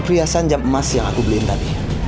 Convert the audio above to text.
perhiasan jam emas yang aku beliin tadi